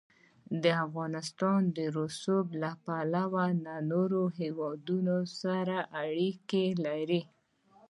افغانستان د رسوب له پلوه له نورو هېوادونو سره اړیکې لري.